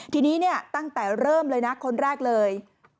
ทีนี้ตั้งแต่เริ่มเลยคนแรกเลย